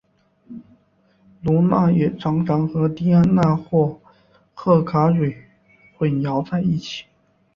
卢娜也常常和狄安娜或赫卡忒混淆在一起。